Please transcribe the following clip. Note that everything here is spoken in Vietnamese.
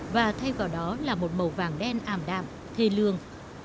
và thay vào đó là một màu vàng đen ảm đạm thê lương